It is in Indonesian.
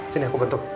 sini aku bentuk